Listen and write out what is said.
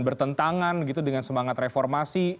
bertentangan dengan semangat reformasi